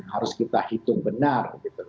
harus kita hitung benar